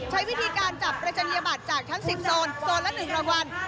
ใช้วิธีการจับประจันยบัตรจากทั้ง๑๐โซนโซนละ๑รางวัล